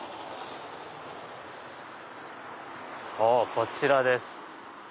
こちらです。